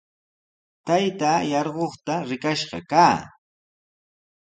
Taytaa yarquqta rikash kaa.